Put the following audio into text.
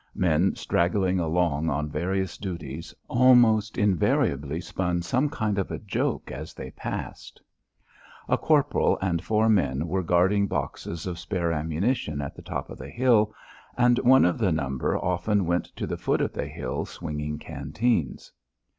Men straggling along on various duties almost invariably spun some kind of a joke as they passed. A corporal and four men were guarding boxes of spare ammunition at the top of the hill, and one of the number often went to the foot of the hill swinging canteens.